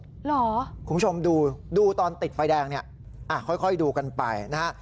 เหรอคุณผู้ชมดูดูตอนติดไฟแดงเนี่ยค่อยดูกันไปนะฮะ